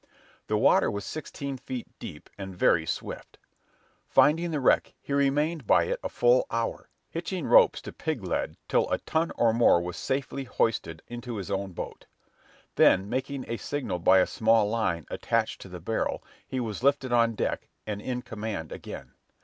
The water was sixteen feet deep, and very swift. Finding the wreck, he remained by it a full hour, hitching ropes to pig lead till a ton or more was safely hoisted into his own boat. Then, making a signal by a small line attached to the barrel, he was lifted on deck, and in command again.